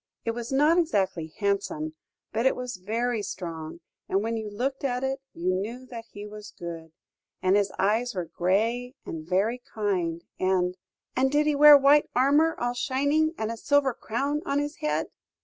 It was not exactly handsome, but it was very strong, and when you looked at it, you knew that he was good. And his eyes were grey and very kind, and " "And did he wear white armour, all shining, and a silver crown on his head?"